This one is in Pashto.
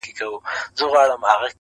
اې د ویدي د مست سُرود او اوستا لوري.